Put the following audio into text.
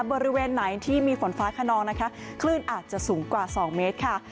บริเวณไหนที่มีฝนฟ้าขนองนะคะคลื่นอาจจะสูงกว่า๒เมตรค่ะ